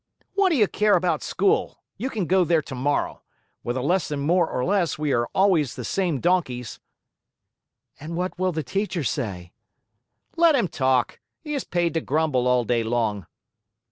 "What do you care about school? You can go there tomorrow. With a lesson more or less, we are always the same donkeys." "And what will the teacher say?" "Let him talk. He is paid to grumble all day long."